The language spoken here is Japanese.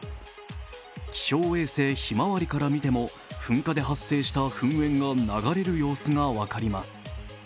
気象衛星「ひまわり」から見ても噴火で発生した噴煙が流れる様子が分かります。